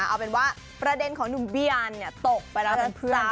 เอาเป็นว่าประเด็นของหนุ่มเบียนตกไปแล้วนะเพื่อน